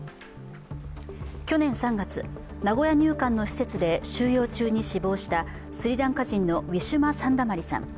去年３月、名古屋入管の施設で収容中に死亡したスリランカ人のウィシュマ・サンダマリさん。